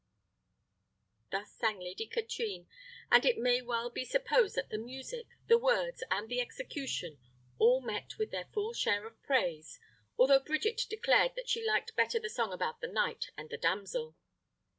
Thus sang Lady Katrine; and it may well be supposed that the music, the words, and the execution, all met with their full share of praise, although Bridget declared that she liked better the song about the knight and the damsel.